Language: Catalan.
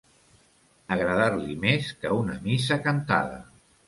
Agradar-li més que una missa cantada.